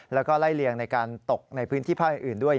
แล้วก็ไล่เลียงในการตกในพื้นที่ภาคอื่นด้วย